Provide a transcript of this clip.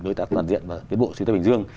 đối tác toàn diện và tiến bộ xứ tây bình dương